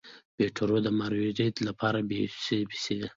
پیټرو د مروارید لپاره بیپو پسې و.